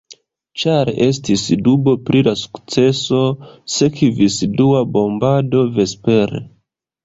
Ĉar estis dubo pri la sukceso, sekvis dua bombado vespere.